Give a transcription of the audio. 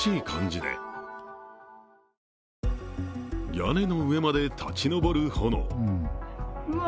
屋根の上まで立ち上る炎。